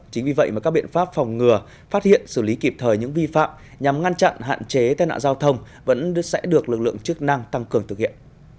chính vì vậy mà các biện pháp phòng ngừa phát hiện xử lý kịp thời những vi phạm nhằm ngăn chặn hạn chế tai nạn giao thông vẫn sẽ được lực lượng chức năng tăng cường thực hiện